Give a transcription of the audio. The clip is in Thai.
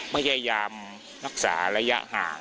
พยายามรักษาระยะห่าง